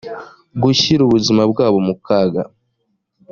gushyira ubuzima bwabo mu kaga